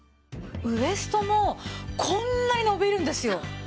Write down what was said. ウエストもこんなに伸びるんですよ。